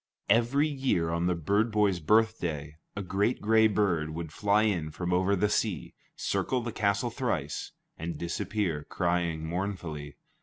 Every year, on the bird boy's birthday, a great gray bird would fly in from over the sea, circle the castle thrice, and disappear, crying mournfully.